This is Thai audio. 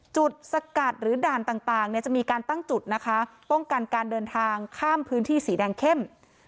สกัดหรือด่านต่างเนี่ยจะมีการตั้งจุดนะคะป้องกันการเดินทางข้ามพื้นที่สีแดงเข้ม